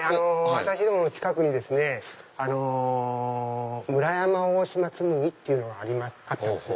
私どもの近くにですね村山大島紬っていうのがあったんです。